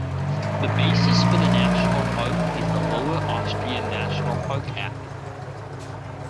The basis for the national park is the Lower Austrian National Park Act.